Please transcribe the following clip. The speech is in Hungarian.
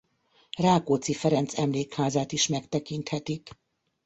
Rákóczi Ferenc emlékházát is megtekinthetik.